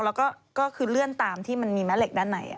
แล้วก็ก็คือเลื่อนตามที่มันมีแม่เหล็กด้านใน